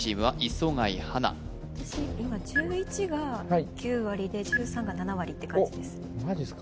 今１１が９割で１３が７割って感じです